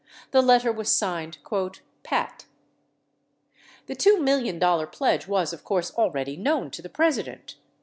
The letter was signed "Pat." The $2 million pledge was, of course, already known to the Presi dent.